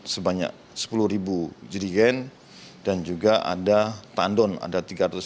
sebanyak sepuluh ribu jirigen dan juga ada tandon ada tiga ratus lima puluh